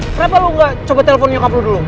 kenapa lu gak coba telepon nyokap lu dulu